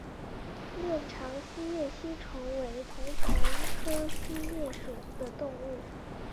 链肠锡叶吸虫为同盘科锡叶属的动物。